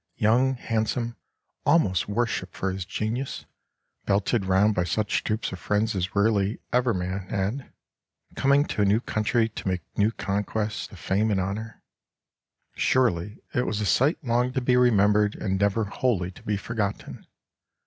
Young, handsome, almost worshipped for his genius, belted round by such troops of friends as rarely ever man had, coming to a new country to make new conquests of fame and honor, surely it was a sight long to be remembered and never wholly to be forgotten.